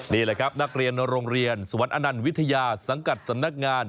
นี่แหละครับนักเรียนโรงเรียนสวรรค์อนันต์วิทยาสังกัดสำนักงาน